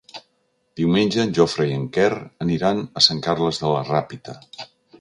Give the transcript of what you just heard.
Diumenge en Jofre i en Quer aniran a Sant Carles de la Ràpita.